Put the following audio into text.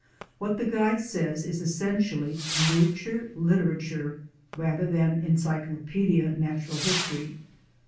What the guide says is essentially na ture literature rather than encyclopedia natural history.